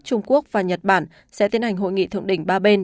trung quốc và nhật bản sẽ tiến hành hội nghị thượng đỉnh ba bên